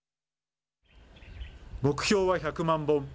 目標は１００万本。